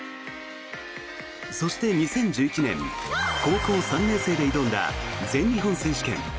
そして、２０１１年高校３年生で挑んだ全日本選手権。